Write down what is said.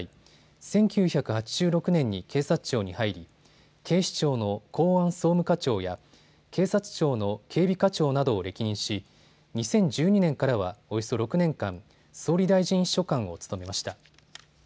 １９８６年に警察庁に入り、警視庁の公安総務課長や警察庁の警備課長などを歴任し２０１２年からはおよそ６年間、総理大臣秘書官を務めました。